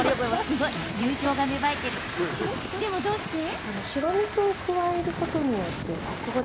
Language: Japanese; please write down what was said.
でも、どうして？